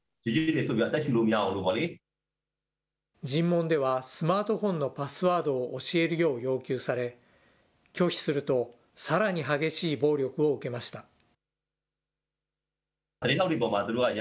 尋問ではスマートフォンのパスワードを教えるよう要求され、拒否するとさらに激しい暴力を受けました。